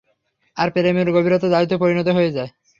আর প্রেমের গভীরতা জাদুতে পরিণত হয়ে যায়।